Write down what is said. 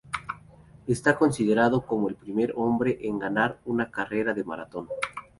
Está considerado como el primer hombre en ganar una carrera de maratón.